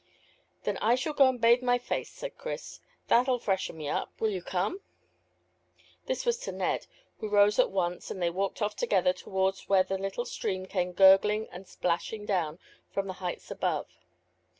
"Then I shall go and bathe my face," said Chris. "That'll freshen me up. Will you come?" This was to Ned, who rose at once, and they walked off together towards where a little stream came gurgling and splashing down from the heights above.